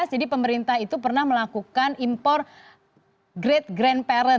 jadi pemerintah itu pernah melakukan impor great grand